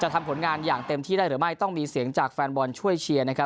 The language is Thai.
ทำผลงานอย่างเต็มที่ได้หรือไม่ต้องมีเสียงจากแฟนบอลช่วยเชียร์นะครับ